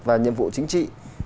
và nhiệm vụ chính trị